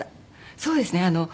そうですね。